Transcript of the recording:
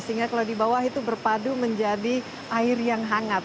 sehingga kalau di bawah itu berpadu menjadi air yang hangat